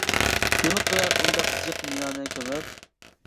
نېمە قىلار ئۇنداق جىق مىنانى كۆمۈپ.